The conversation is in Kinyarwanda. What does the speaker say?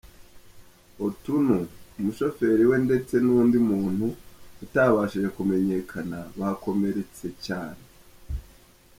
Otunnu, umushoferi we ndetse n’ undi muntu utabashije kumenyekanya, bakomeretse cyane.